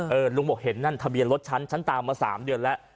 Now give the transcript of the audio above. ลุงบอกเห็นนั่นทะเบียนรถฉันฉันตามมา๓เดือนแล้ว